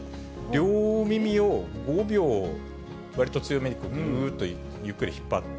両耳を５秒、わりと強めにぐーっとゆっくり引っ張って。